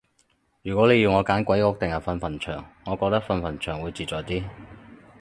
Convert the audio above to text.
如果你要我揀鬼屋定係瞓墳場，我覺得瞓墳場會自在啲